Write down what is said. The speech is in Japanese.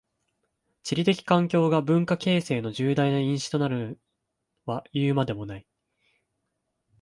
地理的環境が文化形成の重大な因子となるはいうまでもない。